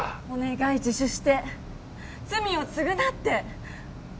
お願い自首して罪を償って